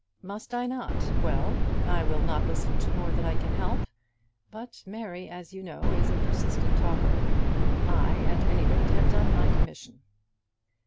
"Must I not? Well; I will not listen to more than I can help; but Mary, as you know, is a persistent talker. I, at any rate, have done my commission."